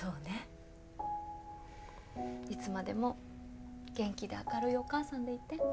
いつまでも元気で明るいお母さんでいて。